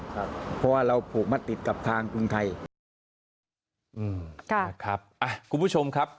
เพราะว่าเราผูกมัดติดกับทางกรุงไทย